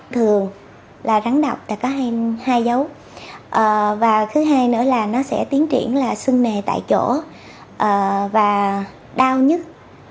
thường là rắn đọc có hai dấu và thứ hai nữa là nó sẽ tiến triển là sưng nề tại chỗ và đau nhất